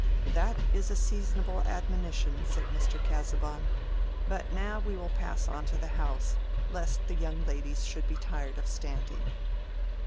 "That is a seasonable admonition," said Mr. Casaubon; "but now we will pass on to the house, lest the young ladies should be tired of standing."